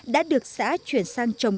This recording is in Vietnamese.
đã được xã chuyển sang trồng